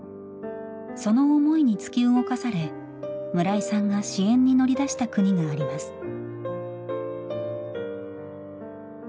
その思いに突き動かされ村井さんが支援に乗り出した国があります。